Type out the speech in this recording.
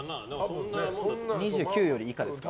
２９より以下ですか。